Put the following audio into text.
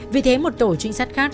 vì thế một tổ trinh sát khác